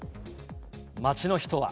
街の人は。